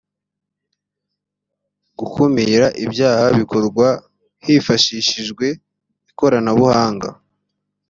gukumira ibyaha bikorwa hifashishijwe ikoranabuhanga